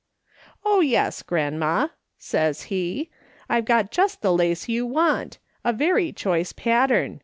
"* Oh yes, grandma,' says he. ' I've got just the lace you want ; a very choice pattern.